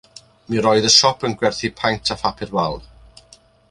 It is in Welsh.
Mi oedd y siop yn gwerthu paent a papur wal.